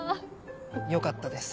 よかったです